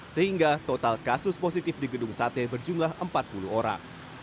sehingga total kasus positif di gedung sate berjumlah empat puluh orang